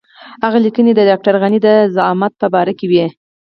هغه لیکنې د ډاکټر غني د زعامت په باره کې وې.